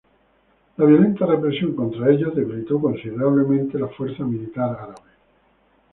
La violenta represión contra ellos debilitó considerablemente la fuerza militar árabe.